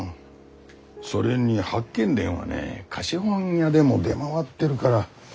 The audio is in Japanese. それに「八犬伝」はね貸本屋でも出回ってるから。